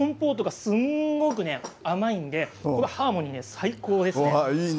コンポートがすんごく甘いのでハーモニーが最高です。